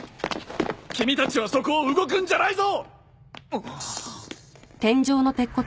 君たちはそこを動くんじゃないぞ！